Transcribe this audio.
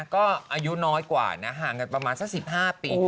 ก็อายุน้อยกว่านะห่างกันประมาณสัก๑๕ปี